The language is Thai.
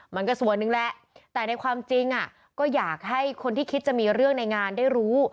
มันก็ส่วนหนึ่งแหละแต่ในความจริงก็อยากให้คนที่คิดจะมีเรื่องในงานได้รู้